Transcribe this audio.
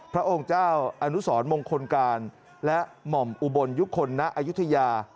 พระองค์เจ้าอนุสรมงคลการและหม่อมอุบลยุคลณอายุทยา